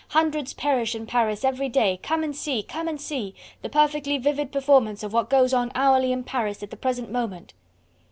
Hundreds perish in Paris every day! Come and see! Come and see! the perfectly vivid performance of what goes on hourly in Paris at the present moment."